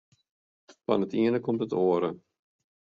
Fan it iene komt it oare.